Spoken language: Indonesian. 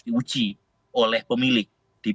diuji oleh pemilik